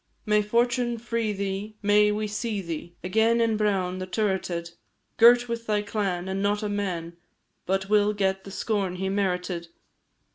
May fortune free thee may we see thee Again in Bràun, the turreted, Girt with thy clan! And not a man But will get the scorn he merited.